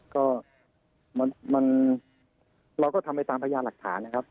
ก็มันมันเราทำไปตามพยานหรักฐานนะครับ